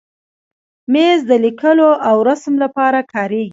مېز د لیکلو او رسم لپاره کارېږي.